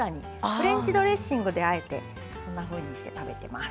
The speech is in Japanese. フレンチドレッシングであえてそんなふうにして食べてます。